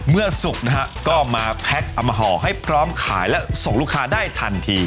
สุกนะฮะก็มาแพ็คเอามาห่อให้พร้อมขายและส่งลูกค้าได้ทันที